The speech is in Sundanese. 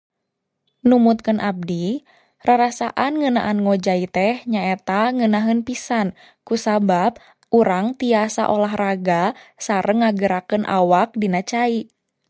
Numutkeun abdi, rarasaan ngeunaan ngojay teh nyaeta ngeunaheun pisan kusabab urang tiasa olahraga sareng ngagerakkeun awak dina cai.